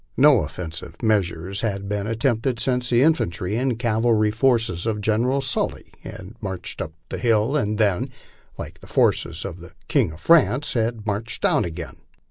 No offen sive measures had been attempted since the infantry and cavalry forces of General Sully had marched up the hill and then, like the forces of the king of France, had marched down again.